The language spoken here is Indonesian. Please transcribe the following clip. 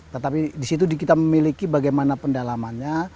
tetapi di situ kita memiliki bagaimana pendalamannya